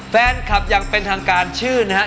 แฟนคลับอย่างเป็นทางการชื่อนะครับ